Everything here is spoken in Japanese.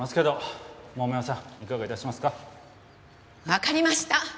わかりました！